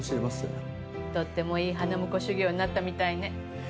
とってもいい花婿修業になったみたいね。